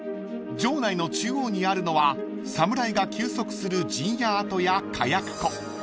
［場内の中央にあるのは侍が休息する陣屋跡や火薬庫］